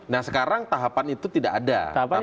nah sekarang tahapan itu tidak ada